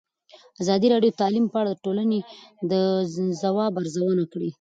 ازادي راډیو د تعلیم په اړه د ټولنې د ځواب ارزونه کړې.